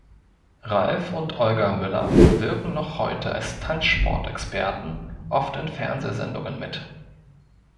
Ralf und Olga Müller wirken noch heute als Tanzsport-Experten oft in Fernsehsendungen mit.